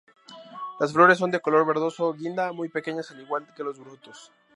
Las flores son de color verdoso guinda, muy pequeñas al igual que los frutos.